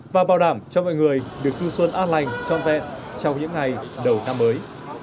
và bảo đảm cho mọi người được du xuân an lành trọn vẹn trong những ngày đầu năm mới